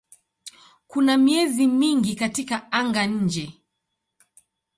Kuna miezi mingi katika anga-nje.